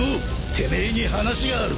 てめえに話がある。